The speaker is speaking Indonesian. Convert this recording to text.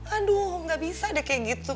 aduh gak bisa deh kayak gitu